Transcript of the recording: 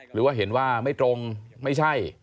หรือว่าเห็นว่าไม่ตรงไม่ใช่